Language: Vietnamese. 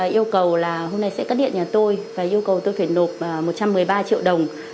yêu cầu là hôm nay sẽ cắt điện nhà tôi và yêu cầu tôi phải nộp một trăm một mươi ba triệu đồng